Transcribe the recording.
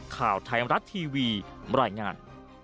ข่าวไทยมรัฐทีวีบรรยายงาน